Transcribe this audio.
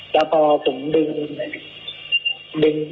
แล้วพอปุ่งดึง